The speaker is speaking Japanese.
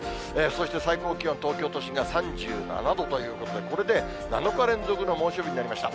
そして最高気温、東京都心が３７度ということで、これで７日連続の猛暑日になりました。